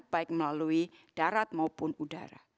baik melalui darat maupun udara